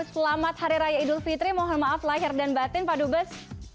selamat hari raya idul fitri mohon maaf lahir dan batin pak dubes